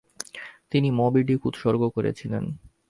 তিনি মবি-ডিক উৎসর্গ করেছিলেন।